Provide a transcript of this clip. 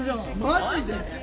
マジで？